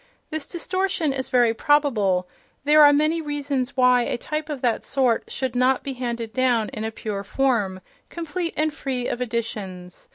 This distortion is very probable: there are many reasons why a type of that sort should not be handed down in a pure form, complete and free of additions.